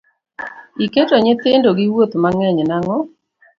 Iketo nyithindo gi wuoth mang'eny nang'o?